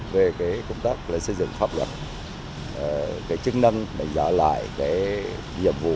về công tác xây dựng pháp luật chức năng để giả lại nhiệm vụ